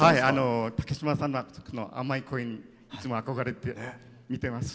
竹島さんの甘い声にいつも憧れて見ています。